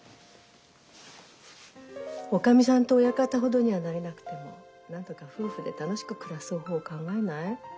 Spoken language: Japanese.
おかみさんと親方ほどにはなれなくてもなんとか夫婦で楽しく暮らす方法考えない？